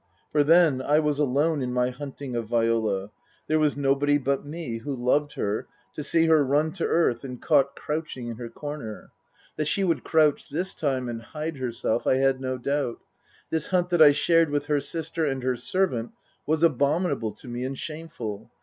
For then I was alone in my hunting of Viola ; there was nobody but me, who loved her, to see her run 238 Tasker Jevons to earth and caught crouching in her corner. That she would crouch, this time, and hide herself, I had no doubt. This hunt that I shared with her sister and her servant was abominable to me and shameful.